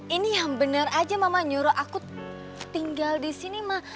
ini yang bener aja mama nyuruh aku tinggal disini ma